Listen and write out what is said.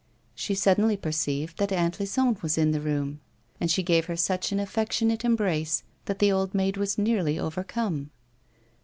She suddenlv perceived that Aunt Lison was in the room, and she gave her such an affectionate embrace, that the old maid was nearly overcome.